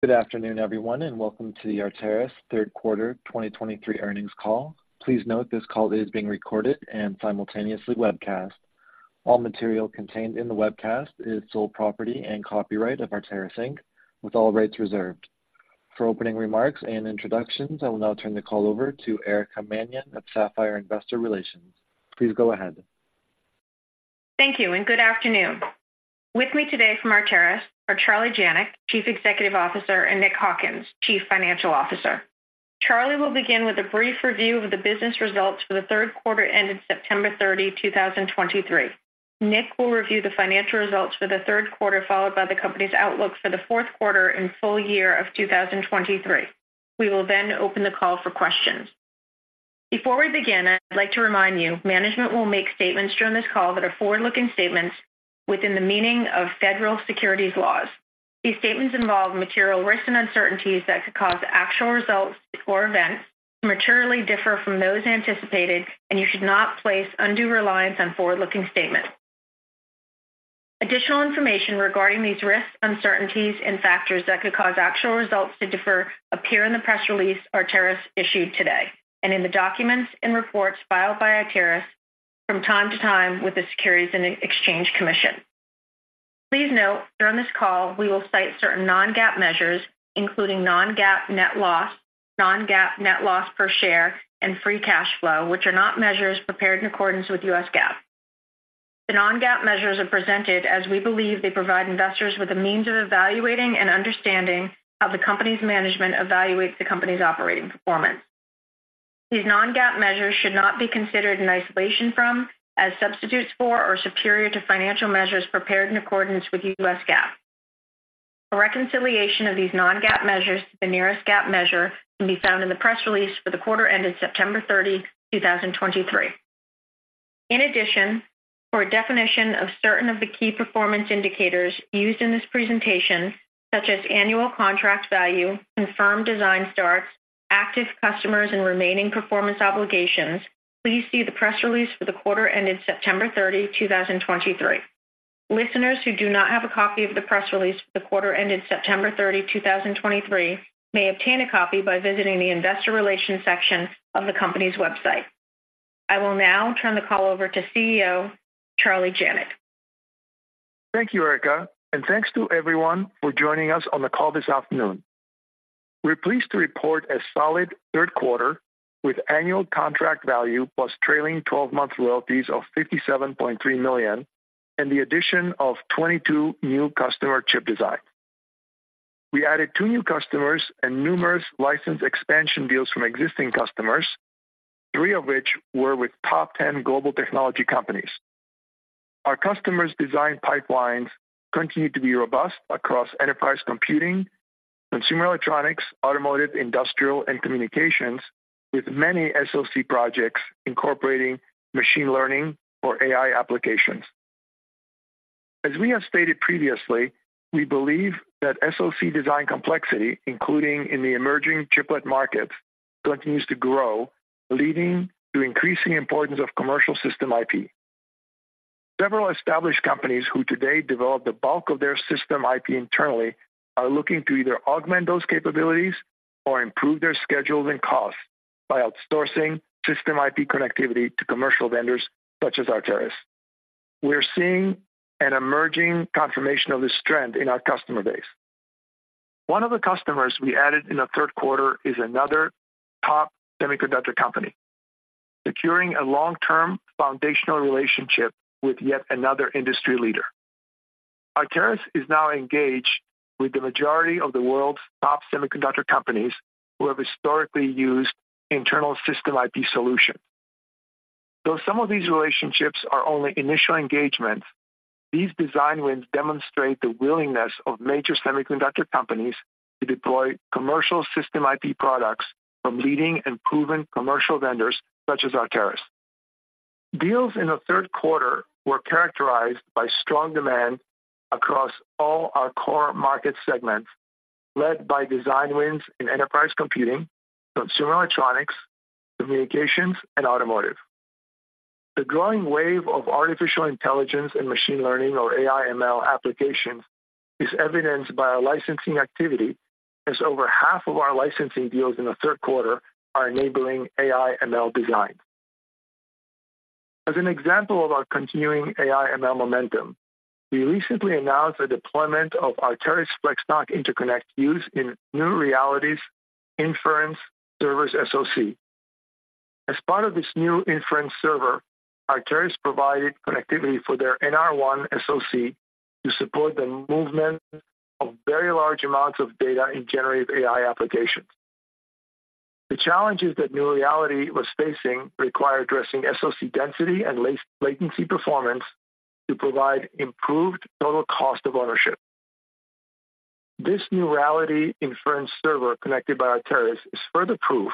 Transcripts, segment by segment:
Good afternoon, everyone, and welcome to the Arteris's Q3 2023 Earnings Call. Please note this call is being recorded and simultaneously webcast. All material contained in the webcast is sole property and copyright of Arteris Inc, with all rights reserved. For opening remarks and introductions, I will now turn the call over to Erica Mannion of Sapphire Investor Relations. Please go ahead. Thank you, and good afternoon. With me today from Arteris are Charlie Janac, Chief Executive Officer, and Nick Hawkins, Chief Financial Officer. Charlie will begin with a brief review of the business results for the Q3 ended September 30, 2023. Nick will review the financial results for the Q3, followed by the company's outlook for the Q4 and full year of 2023. We will then open the call for questions. Before we begin, I'd like to remind you, management will make statements during this call that are forward-looking statements within the meaning of federal securities laws. These statements involve material risks and uncertainties that could cause actual results or events to materially differ from those anticipated, and you should not place undue reliance on forward-looking statements. Additional information regarding these risks, uncertainties and factors that could cause actual results to differ appear in the press release Arteris issued today, and in the documents and reports filed by Arteris from time to time with the Securities and Exchange Commission. Please note, during this call, we will cite certain non-GAAP measures, including non-GAAP net loss, non-GAAP net loss per share, and free cash flow, which are not measures prepared in accordance with US GAAP. The non-GAAP measures are presented as we believe they provide investors with a means of evaluating and understanding how the company's management evaluates the company's operating performance. These non-GAAP measures should not be considered in isolation from, as substitutes for, or superior to financial measures prepared in accordance with US GAAP. A reconciliation of these non-GAAP measures to the nearest GAAP measure can be found in the press release for the quarter ended September 30, 2023. In addition, for a definition of certain of the key performance indicators used in this presentation, such as annual contract value, confirmed design starts, active customers, and remaining performance obligations, please see the press release for the quarter ended September 30, 2023. Listeners who do not have a copy of the press release for the quarter ended September 30, 2023, may obtain a copy by visiting the investor relations section of the company's website. I will now turn the call over to CEO Charlie Janac. Thank you, Erica, and thanks to everyone for joining us on the call this afternoon. We're pleased to report a solid Q3 with annual contract value plus trailing twelve-month royalties of $57.3 million and the addition of 22 new customer chip designs. We added two new customers and numerous license expansion deals from existing customers, three of which were with top 10 global technology companies. Our customers' design pipelines continue to be robust across enterprise computing, consumer electronics, automotive, industrial, and communications, with many SoC projects incorporating machine learning or AI applications. As we have stated previously, we believe that SoC design complexity, including in the emerging chiplet market, continues to grow, leading to increasing importance of commercial system IP. Several established companies who today develop the bulk of their system IP internally, are looking to either augment those capabilities or improve their schedules and costs by outsourcing system IP connectivity to commercial vendors such as Arteris. We're seeing an emerging confirmation of this trend in our customer base. One of the customers we added in the Q3 is another top semiconductor company, securing a long-term foundational relationship with yet another industry leader. Arteris is now engaged with the majority of the world's top semiconductor companies who have historically used internal system IP solutions. Though some of these relationships are only initial engagements, these design wins demonstrate the willingness of major semiconductor companies to deploy commercial system IP products from leading and proven commercial vendors such as Arteris. Deals in the Q3 were characterized by strong demand across all our core market segments, led by design wins in enterprise computing, consumer electronics, communications, and automotive. The growing wave of artificial intelligence and machine learning, or AI/ML applications, is evidenced by our licensing activity, as over half of our licensing deals in the Q3 are enabling AI/ML design. As an example of our continuing AI/ML momentum, we recently announced the deployment of Arteris's FlexNoC interconnect used in NeuReality's inference server SoC. As part of this new inference server, Arteris provided connectivity for their NR1 SoC to support the movement of very large amounts of data in generative AI applications. The challenges that NeuReality was facing required addressing SoC density and low-latency performance to provide improved total cost of ownership. This NeuReality inference server connected by Arteris is further proof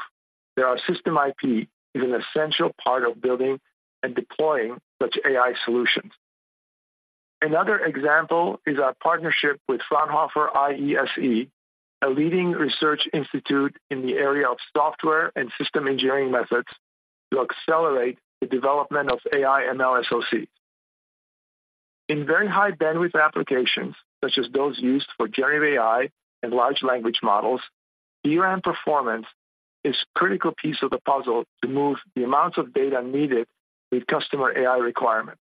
that our system IP is an essential part of building and deploying such AI solutions. Another example is our partnership with Fraunhofer IESE, a leading research institute in the area of software and system engineering methods, to accelerate the development of AI/ML SoC. In very high bandwidth applications, such as those used for generative AI and large language models, DRAM performance is a critical piece of the puzzle to move the amounts of data needed with customer AI requirements.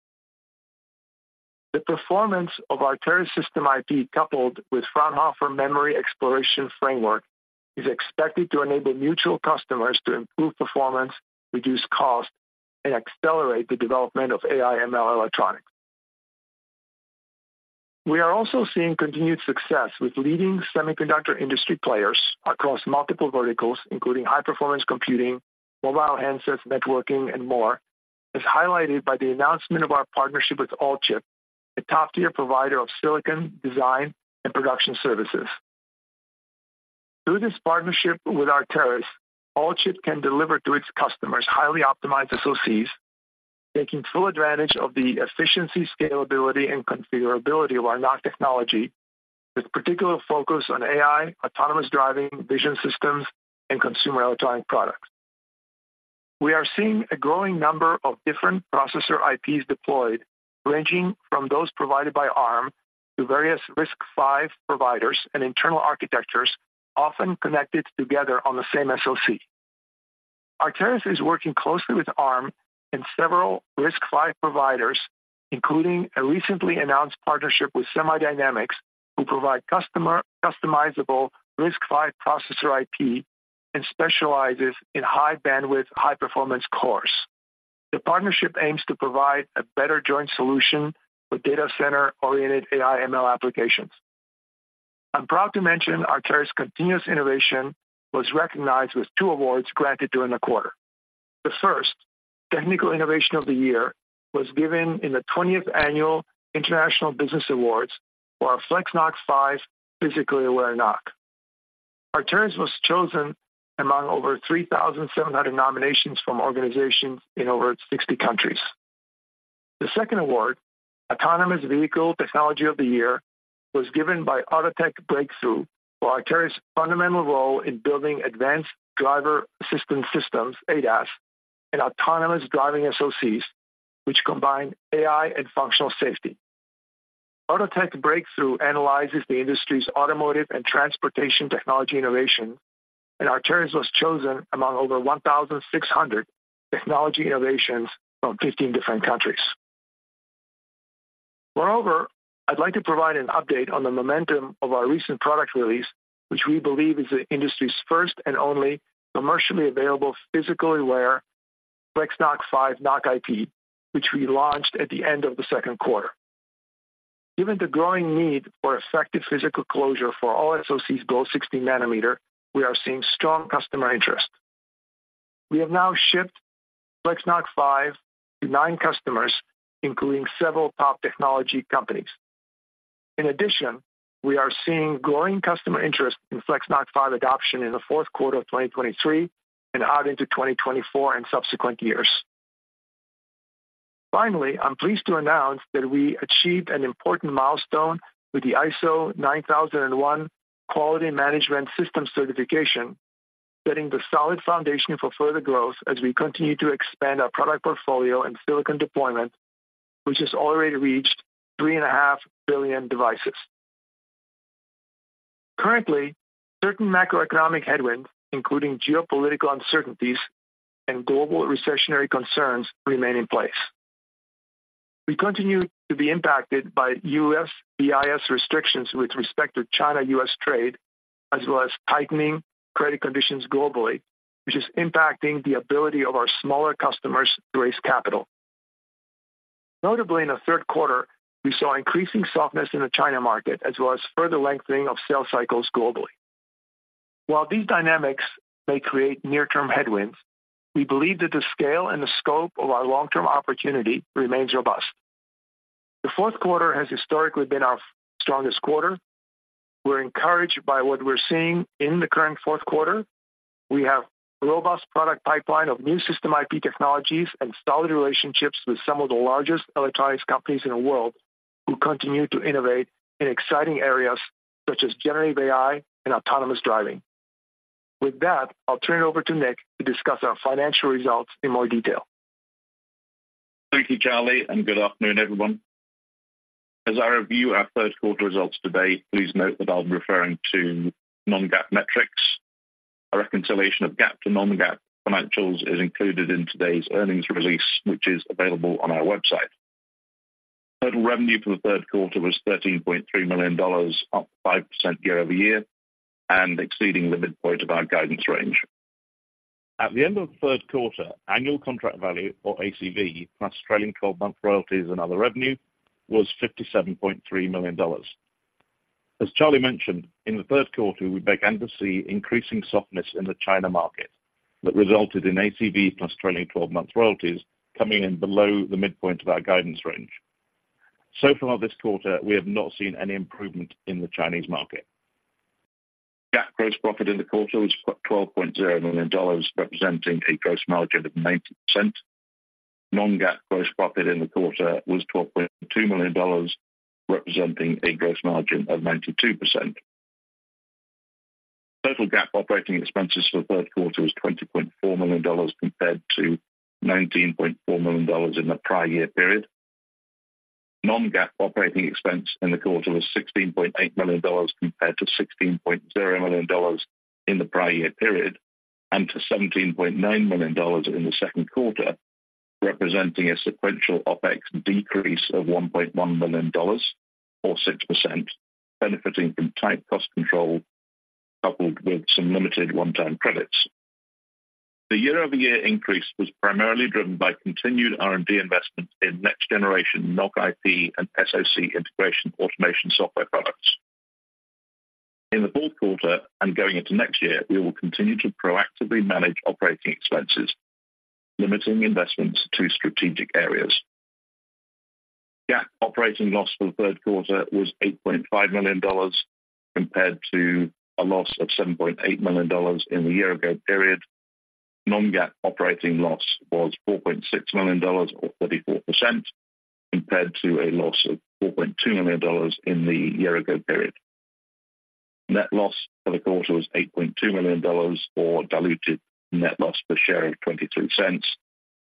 The performance of Arteris system IP, coupled with Fraunhofer Memory Exploration Framework, is expected to enable mutual customers to improve performance, reduce cost, and accelerate the development of AI/ML electronics. We are also seeing continued success with leading semiconductor industry players across multiple verticals, including high-performance computing, mobile handsets, networking, and more, as highlighted by the announcement of our partnership with Alchip, a top-tier provider of silicon design and production services. Through this partnership with Arteris, Alchip can deliver to its customers highly optimized SoCs, taking full advantage of the efficiency, scalability, and configurability of our NoC technology, with particular focus on AI, autonomous driving, vision systems, and consumer electronic products. We are seeing a growing number of different processor IPs deployed, ranging from those provided by Arm to various RISC-V providers and internal architectures, often connected together on the same SoC. Arteris is working closely with Arm and several RISC-V providers, including a recently announced partnership with Semidynamics, who provide customer-customizable RISC-V processor IP and specializes in high bandwidth, high-performance cores. The partnership aims to provide a better joint solution for data center-oriented AI/ML applications. I'm proud to mention Arteris' continuous innovation was recognized with two awards granted during the quarter. The first, Technical Innovation of the Year, was given in the 20th Annual International Business Awards for our FlexNoC 5 Physically-Aware NoC. Arteris was chosen among over 3,700 nominations from organizations in over 60 countries. The second award, Autonomous Vehicle Technology of the Year, was given by AutoTech Breakthrough for Arteris' fundamental role in building advanced driver assistance systems, ADAS, and autonomous driving SoCs, which combine AI and functional safety. AutoTech Breakthrough analyzes the industry's automotive and transportation technology innovation, and Arteris was chosen among over 1,600 technology innovations from 15 different countries. Moreover, I'd like to provide an update on the momentum of our recent product release, which we believe is the industry's first and only commercially available physically aware FlexNoC 5 NoC IP, which we launched at the end of the Q2. Given the growing need for effective physical closure for all SoCs below 16 nanometer, we are seeing strong customer interest. We have now shipped FlexNoC 5 to 9 customers, including several top technology companies. In addition, we are seeing growing customer interest in FlexNoC 5 adoption in the Q4 of 2023 and out into 2024 and subsequent years. Finally, I'm pleased to announce that we achieved an important milestone with the ISO 9001 Quality Management System certification, setting the solid foundation for further growth as we continue to expand our product portfolio and silicon deployment, which has already reached 3.5 billion devices. Currently, certain macroeconomic headwinds, including geopolitical uncertainties and global recessionary concerns, remain in place. We continue to be impacted by U.S. BIS restrictions with respect to China-U.S. trade, as well as tightening credit conditions globally, which is impacting the ability of our smaller customers to raise capital. Notably, in the Q3, we saw increasing softness in the China market, as well as further lengthening of sales cycles globally. While these dynamics may create near-term headwinds, we believe that the scale and the scope of our long-term opportunity remains robust. The Q4 has historically been our strongest quarter. We're encouraged by what we're seeing in the current Q4. We have a robust product pipeline of new system IP technologies and solid relationships with some of the largest electronics companies in the world, who continue to innovate in exciting areas such as generative AI and autonomous driving. With that, I'll turn it over to Nick to discuss our financial results in more detail. Thank you, Charlie, and good afternoon, everyone. As I review our Q3 results today, please note that I'll be referring to non-GAAP metrics. A reconciliation of GAAP to non-GAAP financials is included in today's earnings release, which is available on our website. Total revenue for the Q3 was $13.3 million, up 5% year-over-year, and exceeding the midpoint of our guidance range. At the end of the Q3, annual contract value, or ACV, plus trailing twelve-month royalties and other revenue, was $57.3 million. As Charlie mentioned, in the Q3, we began to see increasing softness in the China market that resulted in ACV plus trailing twelve-month royalties coming in below the midpoint of our guidance range. So far this quarter, we have not seen any improvement in the Chinese market. GAAP gross profit in the quarter was $12.0 million, representing a gross margin of 90%. Non-GAAP gross profit in the quarter was $12.2 million, representing a gross margin of 92%.... Total GAAP operating expenses for the Q3 was $20.4 million compared to $19.4 million in the prior year period. Non-GAAP operating expense in the quarter was $16.8 million compared to $16.0 million in the prior year period, and to $17.9 million in the Q2, representing a sequential OpEx decrease of $1.1 million or 6%, benefiting from tight cost control coupled with some limited one-time credits. The year-over-year increase was primarily driven by continued R&D investment in next generation NOC IP and SoC integration automation software products. In the Q4 and going into next year, we will continue to proactively manage operating expenses, limiting investments to strategic areas. GAAP operating loss for the Q3 was $8.5 million, compared to a loss of $7.8 million in the year ago period. Non-GAAP operating loss was $4.6 million or 34%, compared to a loss of $4.2 million in the year ago period. Net loss for the quarter was $8.2 million or diluted net loss per share of $0.22.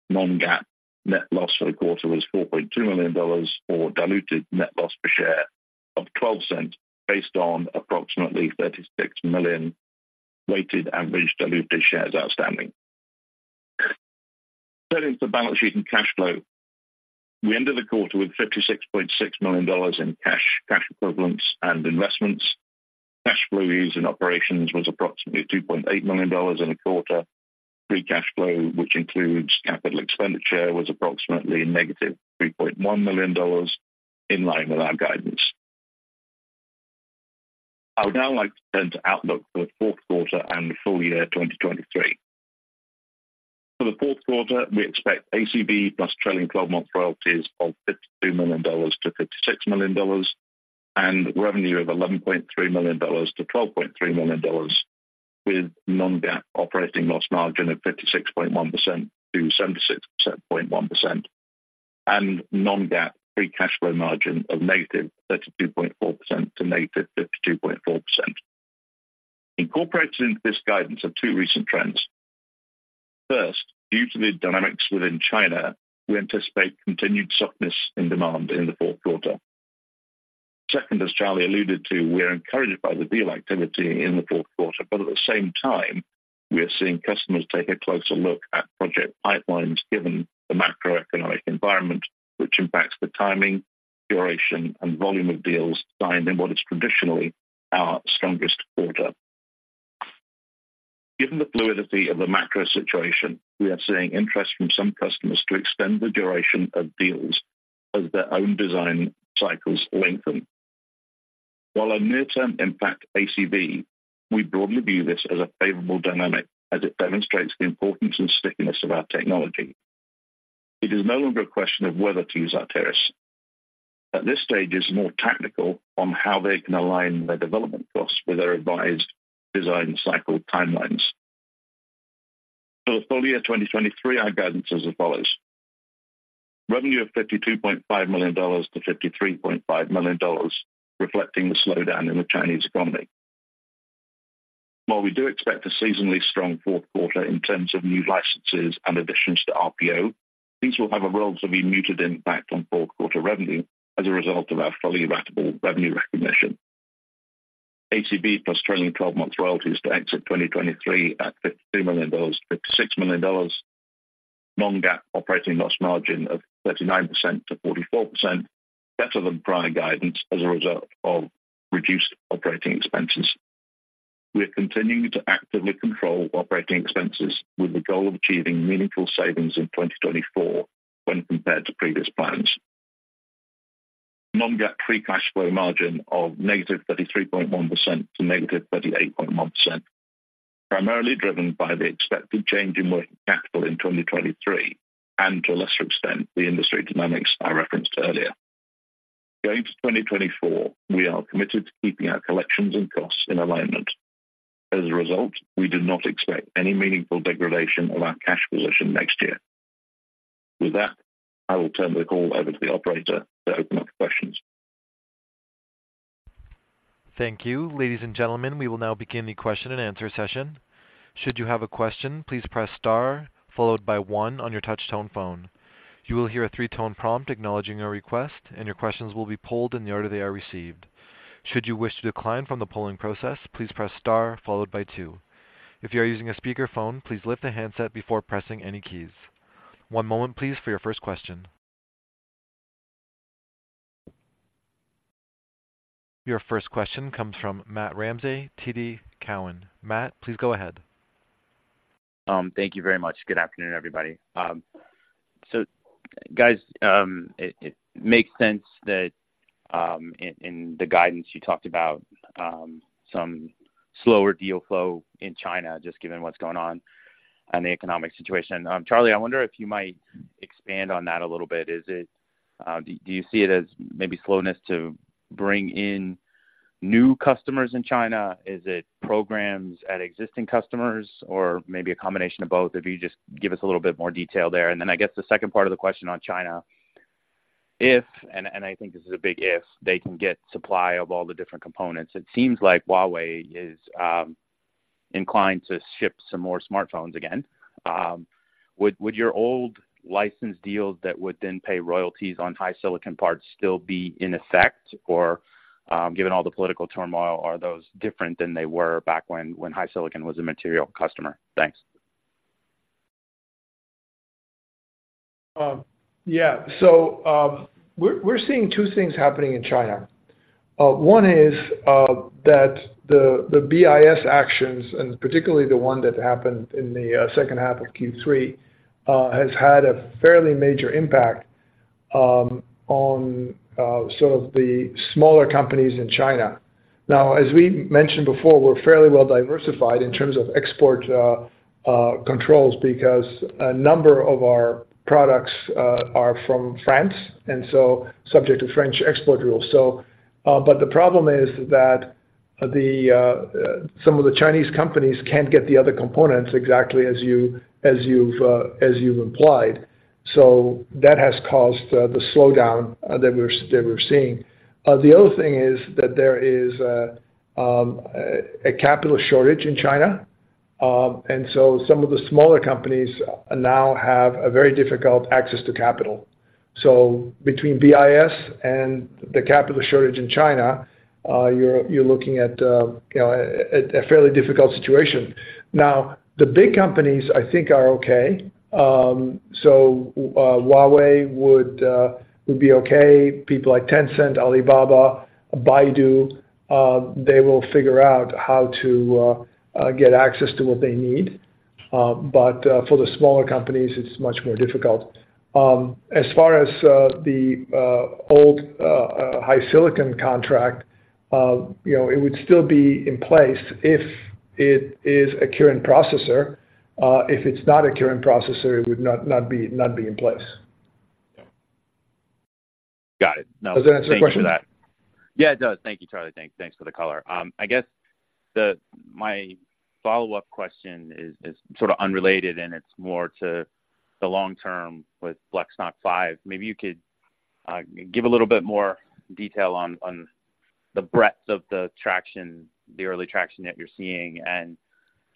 Non-GAAP net loss for the quarter was $4.2 million or diluted net loss per share of $0.12, based on approximately 36 million weighted average diluted shares outstanding. Turning to the balance sheet and cash flow. We ended the quarter with $56.6 million in cash, cash equivalents, and investments. Cash flows in operations was approximately $2.8 million in the quarter. Free cash flow, which includes capital expenditure, was approximately -$3.1 million, in line with our guidance. I would now like to turn to outlook for the Q4 and the full year 2023. For the Q4, we expect ACV plus trailing twelve-month royalties of $52 million-$56 million, and revenue of $11.3 million-$12.3 million, with non-GAAP operating loss margin of -56.1% to -76.1%, and non-GAAP free cash flow margin of -32.4% to -52.4%. Incorporated into this guidance are two recent trends. First, due to the dynamics within China, we anticipate continued softness in demand in the Q4. Second, as Charlie alluded to, we are encouraged by the deal activity in the Q4, but at the same time, we are seeing customers take a closer look at project pipelines, given the macroeconomic environment, which impacts the timing, duration, and volume of deals signed in what is traditionally our strongest quarter. Given the fluidity of the macro situation, we are seeing interest from some customers to extend the duration of deals as their own design cycles lengthen. While a near-term impact ACV, we broadly view this as a favorable dynamic as it demonstrates the importance and stickiness of our technology. It is no longer a question of whether to use Arteris. At this stage, it's more tactical on how they can align their development costs with their revised design cycle timelines. For the full year 2023, our guidance is as follows: Revenue of $52.5 million-$53.5 million, reflecting the slowdown in the Chinese economy. While we do expect a seasonally strong Q4 in terms of new licenses and additions to RPO, these will have a relatively muted impact on Q4 revenue as a result of our fully ratable revenue recognition. ACV plus trailing twelve-month royalties to exit 2023 at $52 million-$56 million. Non-GAAP operating loss margin of 39%-44%, better than prior guidance as a result of reduced operating expenses. We are continuing to actively control operating expenses with the goal of achieving meaningful savings in 2024 when compared to previous plans. Non-GAAP free cash flow margin of negative 33.1% to negative 38.1%, primarily driven by the expected change in working capital in 2023, and to a lesser extent, the industry dynamics I referenced earlier. Going to 2024, we are committed to keeping our collections and costs in alignment. As a result, we do not expect any meaningful degradation of our cash position next year. With that, I will turn the call over to the operator to open up questions. Thank you. Ladies and gentlemen, we will now begin the question and answer session. Should you have a question, please press star followed by one on your touch tone phone. You will hear a three-tone prompt acknowledging your request, and your questions will be polled in the order they are received. Should you wish to decline from the polling process, please press star followed by two. If you are using a speakerphone, please lift the handset before pressing any keys. One moment, please, for your first question. Your first question comes from Matt Ramsay, TD Cowen. Matt, please go ahead. Thank you very much. Good afternoon, everybody. So guys, it makes sense that in the guidance you talked about some slower deal flow in China, just given what's going on and the economic situation. Charlie, I wonder if you might expand on that a little bit. Is it do you see it as maybe slowness to bring in new customers in China? Is it programs at existing customers or maybe a combination of both? If you just give us a little bit more detail there. And then I guess the second part of the question on China. If and I think this is a big if, they can get supply of all the different components, it seems like Huawei is inclined to ship some more smartphones again. Would your old license deals that would then pay royalties on HiSilicon parts still be in effect? Or, given all the political turmoil, are those different than they were back when HiSilicon was a material customer? Thanks. Yeah. So, we're seeing two things happening in China. One is that the BIS actions, and particularly the one that happened in the second half of Q3, has had a fairly major impact on sort of the smaller companies in China. Now, as we mentioned before, we're fairly well diversified in terms of export controls, because a number of our products are from France, and so subject to French export rules. So, but the problem is that some of the Chinese companies can't get the other components exactly as you've implied. So that has caused the slowdown that we're seeing. The other thing is that there is a capital shortage in China, and so some of the smaller companies now have a very difficult access to capital. Between BIS and the capital shortage in China, you're looking at, you know, a fairly difficult situation. Now, the big companies, I think, are okay. Huawei would be okay, people like Tencent, Alibaba, Baidu, they will figure out how to get access to what they need. But for the smaller companies, it's much more difficult. As far as the old HiSilicon contract, you know, it would still be in place if it is a current processor. If it's not a current processor, it would not be in place. Got it. Does that answer your question? Yeah, it does. Thank you, Charlie. Thanks, thanks for the color. I guess my follow-up question is sort of unrelated, and it's more to the long term with FlexNoC 5. Maybe you could give a little bit more detail on the breadth of the traction, the early traction that you're seeing, and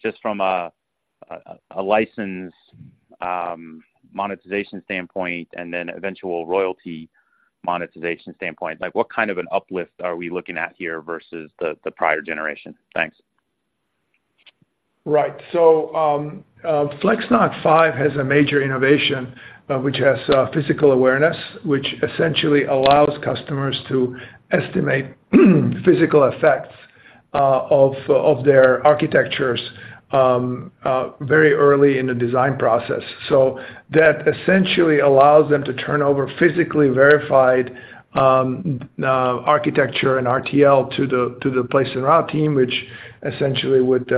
just from a license monetization standpoint and then eventual royalty monetization standpoint, like, what kind of an uplift are we looking at here versus the prior generation? Thanks. Right. So, FlexNoC 5 has a major innovation, which has physical awareness, which essentially allows customers to estimate physical effects of their architectures very early in the design process. So that essentially allows them to turn over physically verified architecture and RTL to the place-and-route team, which essentially would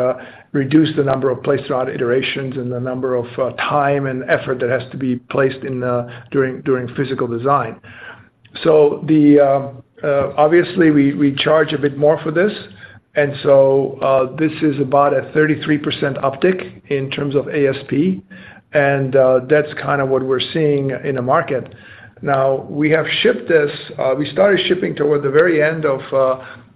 reduce the number of place-and-route iterations and the number of time and effort that has to be placed during physical design. So obviously, we charge a bit more for this, and so this is about a 33% uptick in terms of ASP, and that's kind of what we're seeing in the market. Now, we have shipped this... We started shipping toward the very end of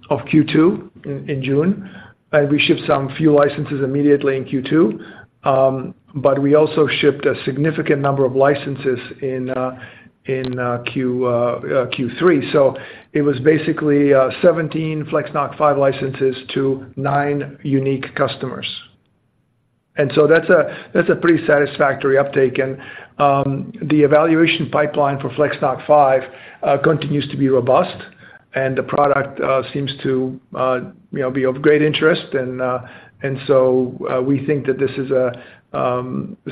Q2 in June, and we shipped some few licenses immediately in Q2. But we also shipped a significant number of licenses in Q3. So it was basically 17 FlexNoC 5 licenses to nine unique customers. And so that's a pretty satisfactory uptake, and the evaluation pipeline for FlexNoC 5 continues to be robust, and the product seems to you know be of great interest. And so we think that this is a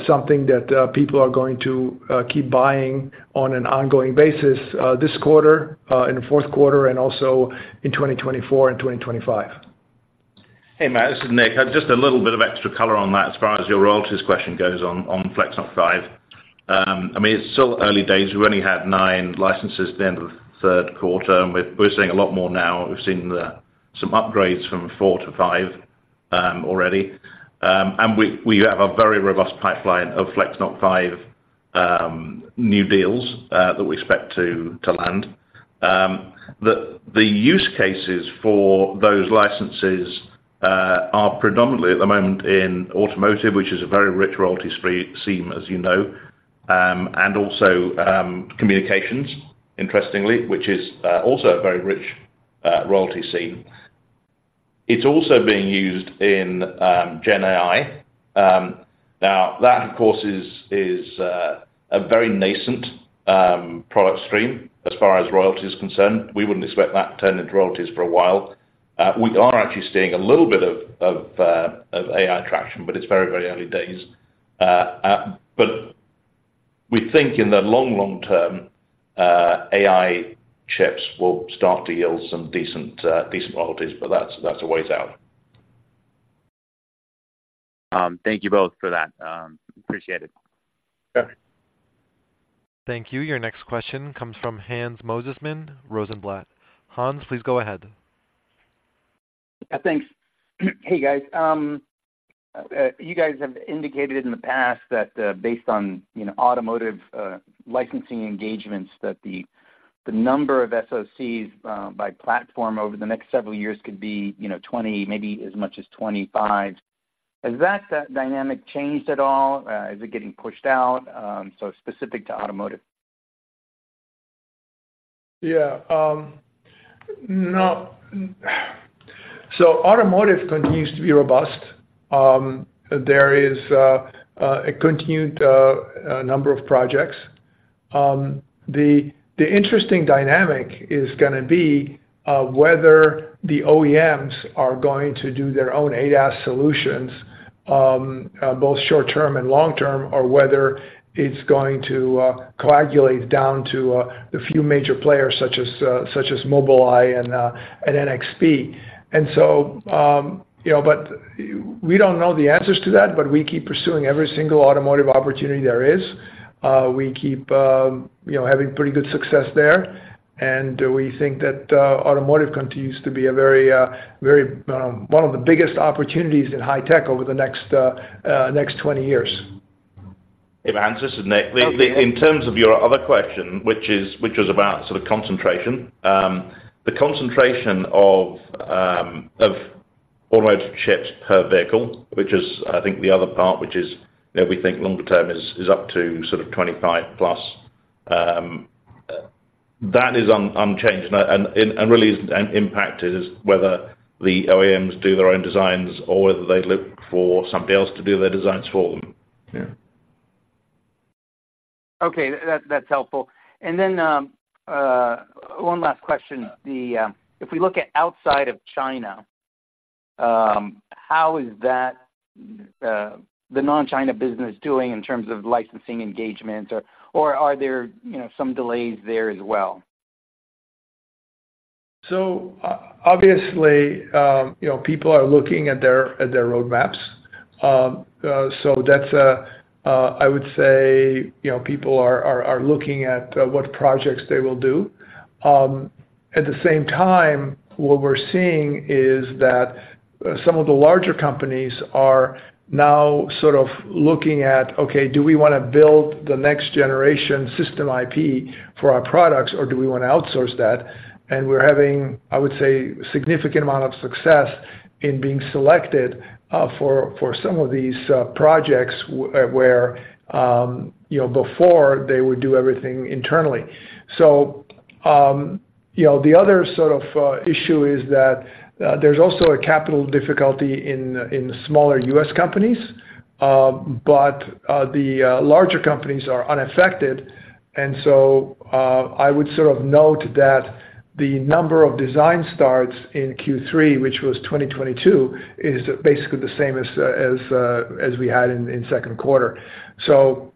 something that people are going to keep buying on an ongoing basis this quarter in the Q4, and also in 2024 and 2025. Hey, Matt, this is Nick. Just a little bit of extra color on that as far as your royalties question goes on FlexNoC 5. I mean, it's still early days. We've only had nine licenses at the end of the Q3, and we're seeing a lot more now. We've seen some upgrades from four to five already. We have a very robust pipeline of FlexNoC 5 new deals that we expect to land. The use cases for those licenses are predominantly at the moment in automotive, which is a very rich royalty stream, as you know, and also communications, interestingly, which is also a very rich royalty stream. It's also being used in Gen AI. Now, that, of course, is a very nascent product stream as far as royalty is concerned. We wouldn't expect that to turn into royalties for a while. We are actually seeing a little bit of AI traction, but it's very, very early days. But we think in the long, long term, AI chips will start to yield some decent royalties, but that's a ways out. Thank you both for that. Appreciate it. Sure. Thank you. Your next question comes from Hans Mosesmann, Rosenblatt. Hans, please go ahead.... Thanks. Hey, guys. You guys have indicated in the past that, based on, you know, automotive, licensing engagements, that the, the number of SoCs, by platform over the next several years could be, you know, 20, maybe as much as 25. Has that, dynamic changed at all? Is it getting pushed out, so specific to automotive? Yeah. No. So automotive continues to be robust. There is a continued number of projects. The interesting dynamic is gonna be whether the OEMs are going to do their own ADAS solutions, both short term and long term, or whether it's going to coagulate down to the few major players such as Mobileye and NXP. And so, you know, but we don't know the answers to that, but we keep pursuing every single automotive opportunity there is. We keep you know, having pretty good success there, and we think that automotive continues to be a very, very one of the biggest opportunities in high tech over the next 20 years. If I may answer this, Nick. In terms of your other question, which was about sort of concentration. The concentration of automotive chips per vehicle, which is, I think, the other part, which is that we think longer term is up to sort of 25+, that is unchanged, and really is impacted by whether the OEMs do their own designs or whether they look for somebody else to do their designs for them. Yeah. Okay, that, that's helpful. And then, one last question. If we look at outside of China, how is the non-China business doing in terms of licensing engagements, or are there, you know, some delays there as well? So obviously, you know, people are looking at their roadmaps. So that's, I would say, you know, people are looking at what projects they will do. At the same time, what we're seeing is that some of the larger companies are now sort of looking at, "Okay, do we wanna build the next generation system IP for our products, or do we want to outsource that?" And we're having, I would say, a significant amount of success in being selected for some of these projects, where, you know, before they would do everything internally. So, you know, the other sort of issue is that there's also a capital difficulty in the smaller U.S. companies, but the larger companies are unaffected. And so, I would sort of note that the number of design starts in Q3, which was 2022, is basically the same as, as we had in Q2. So,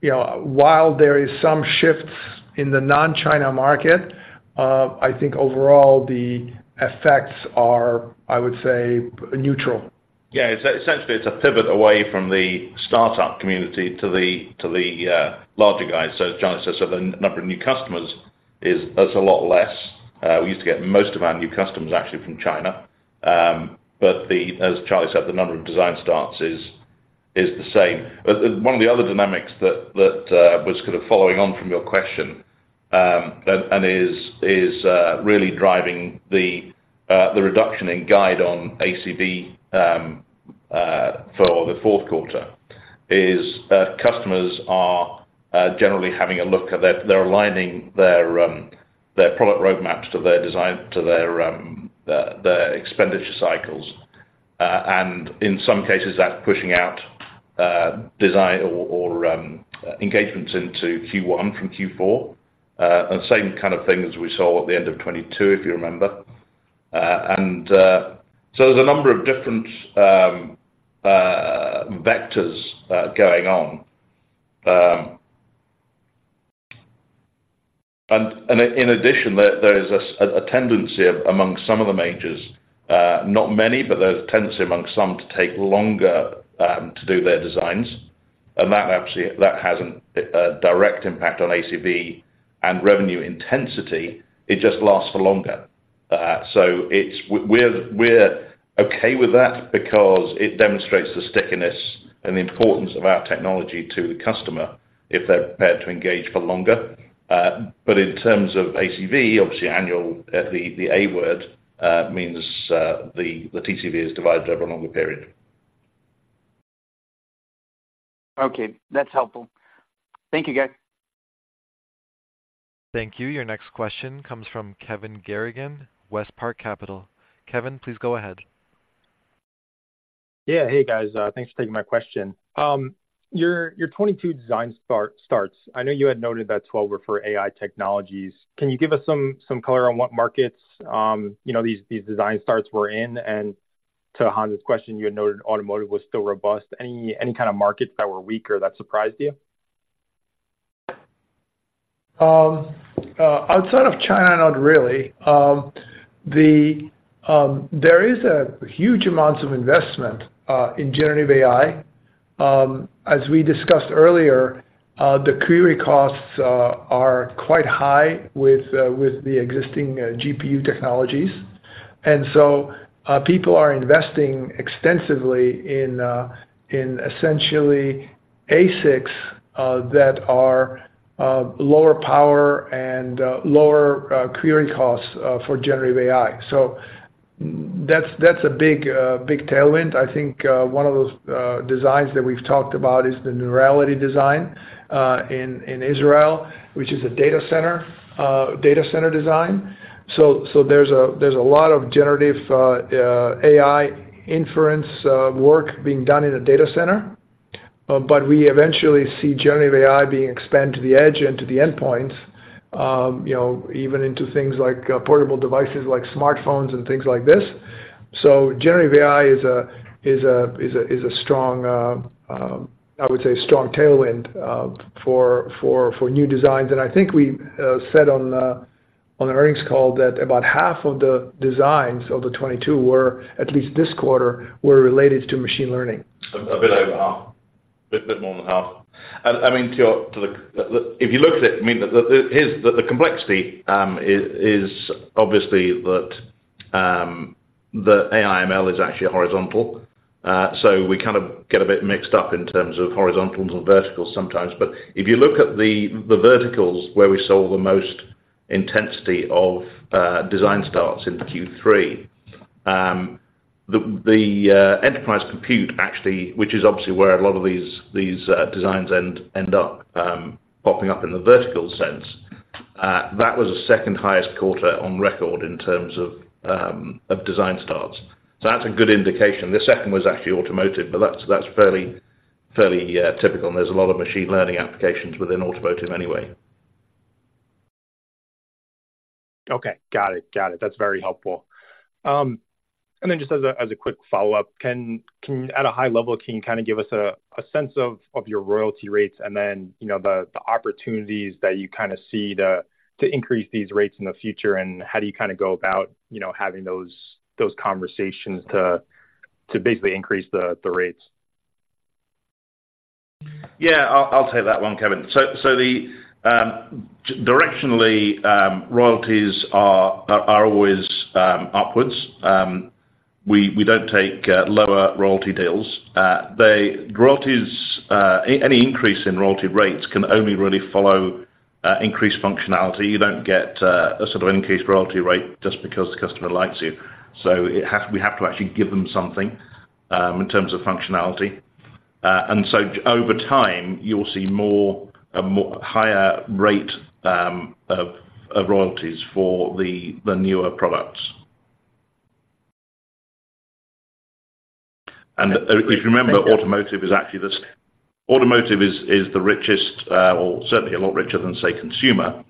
you know, while there is some shifts in the non-China market, I think overall the effects are, I would say, neutral. Yeah, essentially, it's a pivot away from the start-up community to the larger guys. So as Charlie said, the number of new customers is a lot less. We used to get most of our new customers actually from China. But as Charlie said, the number of design starts is the same. But one of the other dynamics that was kind of following on from your question, and is really driving the reduction in guidance on ACV for the Q4, is that customers are generally having a look at that. They're aligning their product roadmaps to their design, to their expenditure cycles. And in some cases, that's pushing out design or engagements into Q1 from Q4. The same kind of things we saw at the end of 2022, if you remember. And so there's a number of different vectors going on. And in addition, there is a tendency among some of the majors, not many, but there's a tendency among some to take longer to do their designs, and that actually has a direct impact on ACV and revenue intensity. It just lasts for longer. So it's. We're okay with that because it demonstrates the stickiness and the importance of our technology to the customer if they're prepared to engage for longer. But in terms of ACV, obviously annual, the A word means the TCV is divided over a longer period. Okay, that's helpful. Thank you, guys. Thank you. Your next question comes from Kevin Garrigan, WestPark Capital. Kevin, please go ahead. Yeah. Hey, guys, thanks for taking my question. Your 22 design starts, I know you had noted that 12 were for AI technologies. Can you give us some color on what markets, you know, these design starts were in? And to Hans's question, you had noted automotive was still robust. Any kind of markets that were weaker that surprised you? Outside of China, not really. There is a huge amounts of investment in generative AI, as we discussed earlier, the query costs are quite high with with the existing GPU technologies. And so, people are investing extensively in in essentially ASICs that are lower power and lower query costs for generative AI. So that's a big tailwind. I think one of those designs that we've talked about is the NeuReality design in Israel, which is a data center design. So there's a lot of generative AI inference work being done in a data center. But we eventually see generative AI being expanded to the edge and to the endpoints, you know, even into things like portable devices like smartphones and things like this. So generative AI is a strong, I would say strong tailwind, for new designs. And I think we said on the earnings call that about half of the designs of the 2022 were, at least this quarter, related to machine learning. A bit over half. A bit more than half. And I mean, to your point, if you look at it, I mean, the complexity is obviously that the AI/ML is actually horizontal. So we kind of get a bit mixed up in terms of horizontals and verticals sometimes. But if you look at the verticals where we saw the most intensity of design starts in Q3, the enterprise compute, actually, which is obviously where a lot of these designs end up popping up in the vertical sense, that was the second highest quarter on record in terms of design starts. So that's a good indication. The second was actually automotive, but that's fairly typical, and there's a lot of machine learning applications within automotive anyway. Okay, got it. Got it. That's very helpful. And then just as a quick follow-up, can you at a high level give us a sense of your royalty rates and then, you know, the opportunities that you kind of see to increase these rates in the future? And how do you go about, you know, having those conversations to basically increase the rates? Yeah, I'll take that one, Kevin. So, directionally, royalties are always upwards. We don't take lower royalty deals. Royalties, any increase in royalty rates can only really follow increased functionality. You don't get a sort of increased royalty rate just because the customer likes you, so we have to actually give them something in terms of functionality. And so over time, you'll see a higher rate of royalties for the newer products. And if you remember, automotive is actually the richest, or certainly a lot richer than, say, consumer,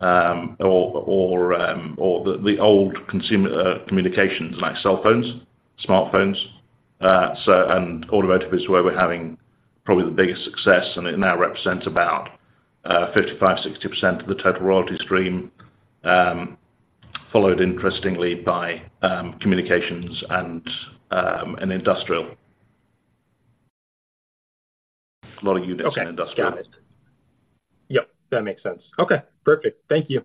or the old consumer communications, like cell phones, smartphones. Automotive is where we're having probably the biggest success, and it now represents about 55%-60% of the total royalty stream. Followed interestingly by communications and industrial. A lot of units in industrial. Okay. Got it. Yep, that makes sense. Okay, perfect. Thank you.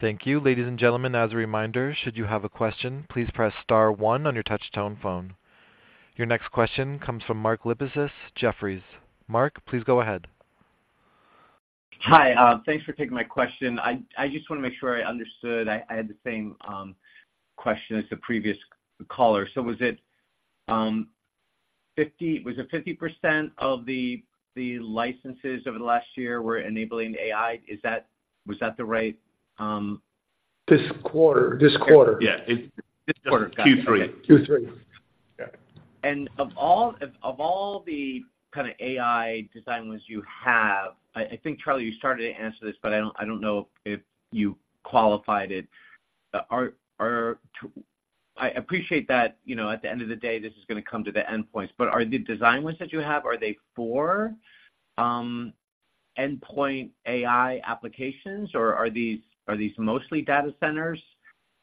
Thank you. Ladies and gentlemen, as a reminder, should you have a question, please press star one on your touch tone phone. Your next question comes from Mark Lipacis, Jefferies. Mark, please go ahead. Hi, thanks for taking my question. I, I just want to make sure I understood. I, I had the same, question as the previous caller. So was it, 50... Was it 50% of the, the licenses over the last year were enabling AI? Is that- was that the right, This quarter. This quarter. Yeah, this quarter. Q3. Q3. Yeah. And of all the kind of AI design wins you have, I think, Charlie, you started to answer this, but I don't know if you qualified it. Are... I appreciate that, you know, at the end of the day, this is gonna come to the endpoints, but are the design wins that you have, are they for endpoint AI applications, or are these mostly data centers?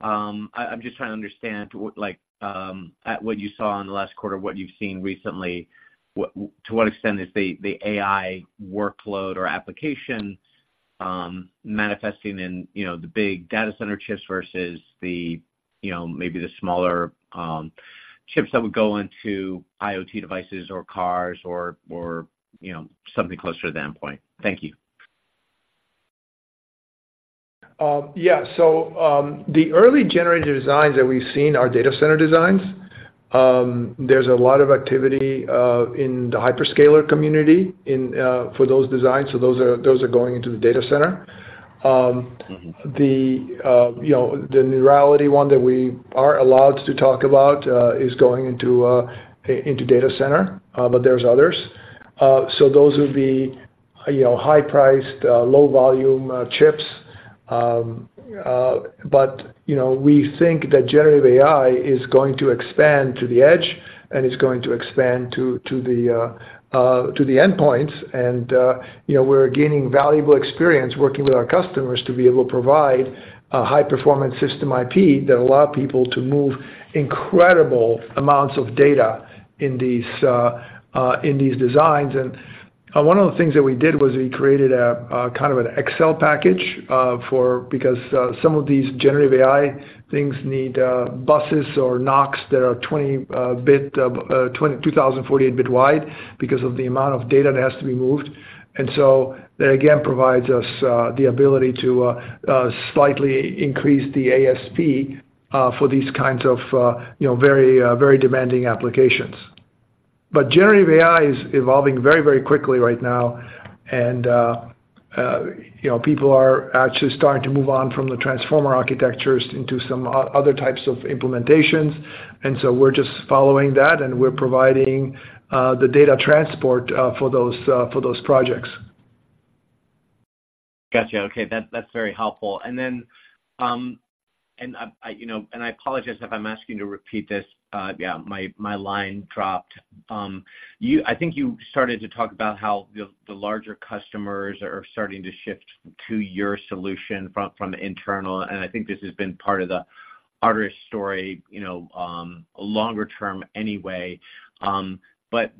I'm just trying to understand what, like, at what you saw in the last quarter, what you've seen recently, to what extent is the AI workload or application manifesting in, you know, the big data center chips versus the, you know, maybe the smaller chips that would go into IoT devices or cars or, you know, something closer to the endpoint? Thank you. Yeah. So, the early generative designs that we've seen are data center designs. There's a lot of activity in the hyperscaler community for those designs, so those are going into the data center. Mm-hmm. the, you know, the NeuReality one that we are allowed to talk about, is going into, into data center, but there's others. So those would be, you know, high-priced, low volume, chips. But, you know, we think that generative AI is going to expand to the edge, and it's going to expand to, to the, to the endpoints. And, you know, we're gaining valuable experience working with our customers to be able to provide a high-performance system IP that allow people to move incredible amounts of data in these, in these designs. And-... One of the things that we did was we created a kind of an XL package for because some of these generative AI things need buses or NoCs that are up to 2,048-bit wide because of the amount of data that has to be moved. And so that again provides us the ability to slightly increase the ASP for these kinds of you know very very demanding applications. But generative AI is evolving very very quickly right now and you know people are actually starting to move on from the transformer architectures into some other types of implementations. And so we're just following that and we're providing the data transport for those for those projects. Got you. Okay, that, that's very helpful. And then, and, I, you know, and I apologize if I'm asking you to repeat this. Yeah, my line dropped. You—I think you started to talk about how the larger customers are starting to shift to your solution from internal, and I think this has been part of the Arteris story, you know, longer term anyway. But,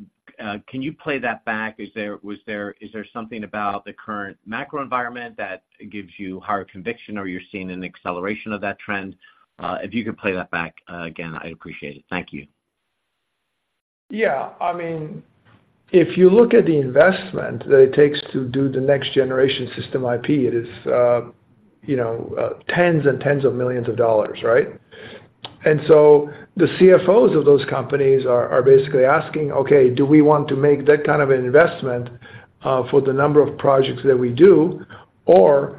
can you play that back? Is there, was there, is there something about the current macro environment that gives you higher conviction, or you're seeing an acceleration of that trend? If you could play that back, again, I'd appreciate it. Thank you. Yeah. I mean, if you look at the investment that it takes to do the next generation system IP, it is, you know, $10s and $10s of millions, right? And so the CFOs of those companies are basically asking: "Okay, do we want to make that kind of an investment, for the number of projects that we do? Or, do we want to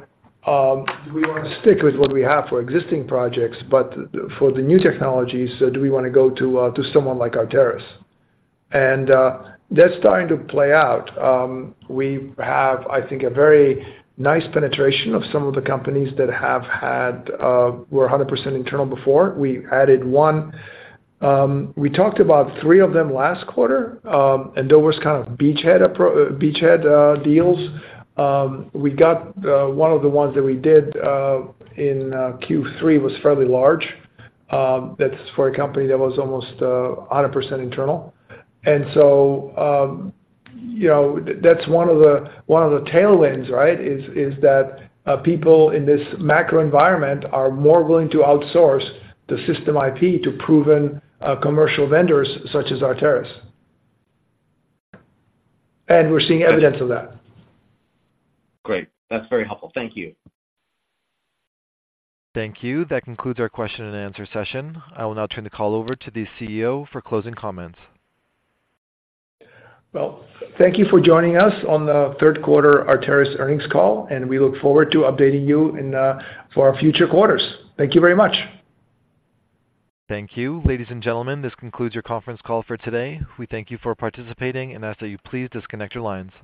stick with what we have for existing projects, but for the new technologies, do we wanna go to, to someone like Arteris? And, that's starting to play out. We have, I think, a very nice penetration of some of the companies that have had, were 100% internal before. We added one... We talked about 3 of them last quarter, and those were kind of beachhead beachhead deals. We got one of the ones that we did in Q3 was fairly large, that's for a company that was almost a hundred percent internal. And so, you know, that's one of the, one of the tailwinds, right? Is that people in this macro environment are more willing to outsource the system IP to proven commercial vendors such as Arteris. And we're seeing evidence of that. Great. That's very helpful. Thank you. Thank you. That concludes our question and answer session. I will now turn the call over to the CEO for closing comments. Well, thank you for joining us on the Q3 Arteris earnings call, and we look forward to updating you in for our future quarters. Thank you very much. Thank you. Ladies and gentlemen, this concludes your conference call for today. We thank you for participating and ask that you please disconnect your lines.